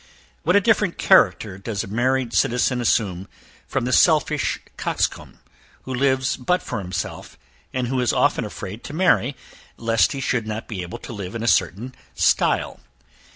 What a different character does a married citizen assume from the selfish coxcomb, who lives but for himself, and who is often afraid to marry lest he should not be able to live in a certain style.